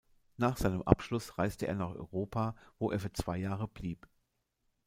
Nach seinem Abschluss reiste er nach Europa, wo er für zwei Jahre blieb.